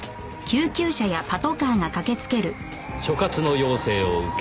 所轄の要請を受け